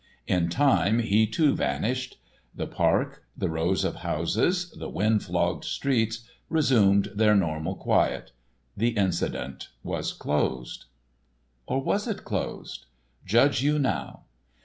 In time he too vanished. The park, the rows of houses, the windflogged streets, resumed their normal quiet. The incident was closed. Or was it closed? Judge you now.